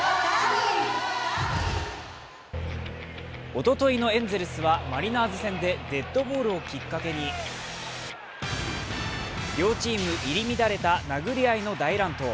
おとといのエンゼルスはマリナーズ戦でデッドボールをきっかけに両チーム入り乱れた殴り合いの大乱闘。